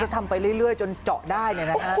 ทำไปเรื่อยจนเจาะได้